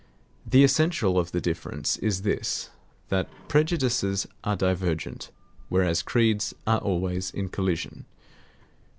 The essential of the difference is this: that prejudices are divergent, whereas creeds are always in collision.